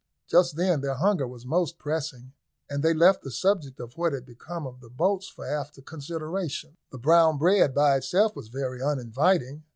Just then their hunger was most pressing, and they left the subject of what had become of the boats for after consideration. The brown bread by itself was very uninviting.